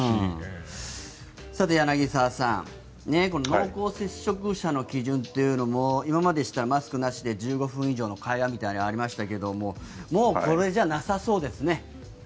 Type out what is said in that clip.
さて、柳澤さん濃厚接触者の基準というのも今まででしたらマスクなしでしたら１５分以上の会話みたいなのがありましたがもうこれじゃなさそうですね。